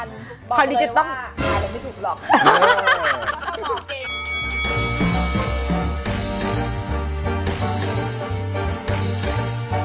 อย่าเจอกันในเกมจ้า